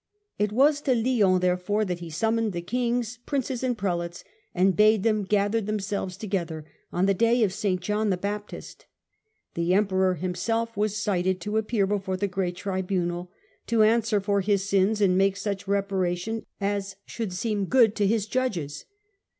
It was to Lyons, therefore, that he summoned the Kings, Princes and Prelates and bade them gather themselves together on the day of St. John the Baptist. The Emperor himself was cited to appear before the great tribunal, to answer for his sins and make such reparation as should seem good to his judges.